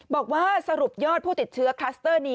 บอกว่าสรุปยอดผู้ติดเชื้อคลัสเตอร์นี้